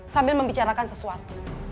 sambil membicarakan sesuatu